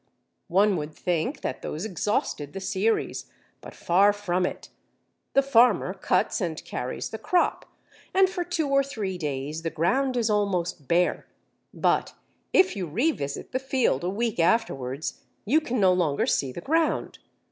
One would think that those exhausted the series, but far from it: the farmer cuts and carries the crop, and for two or three days the ground is almost bare, but if you revisit the field a week afterwards you can no longer see the ground.